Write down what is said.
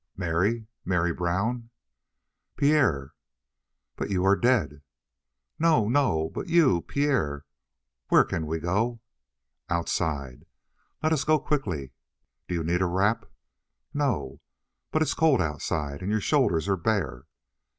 "Mary Mary Brown!" "Pierre!" "But you are dead!" "No, no! But you Pierre, where can we go?" "Outside." "Let us go quickly!" "Do you need a wrap?" "No." "But it is cold outside, and your shoulders are bare."